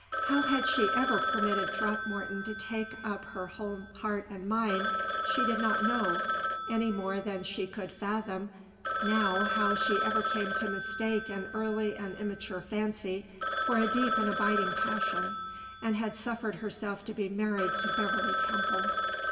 How she had ever permitted Throckmorton to take up her whole heart and mind she did not know any more than she could fathom now how she ever came to mistake an early and immature fancy for a deep and abiding passion, and had suffered herself to be married to Beverley Temple.